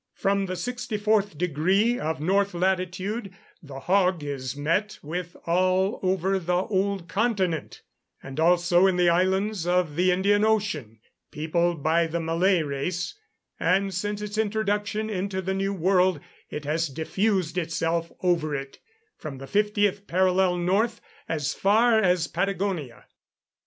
From the 64th degree of north latitude the hog is met with all over the old continent, and also in the islands of the Indian Ocean, peopled by the Malay race; and since its introduction into the New World, it has diffused itself over it, from the 50th parallel north as far as Patagonia.